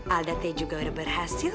alda t juga udah berhasil